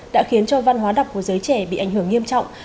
đã khiến cho văn hóa đọc của giới trẻ bị ảnh hưởng nghiêm trọng